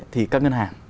thì các ngân hàng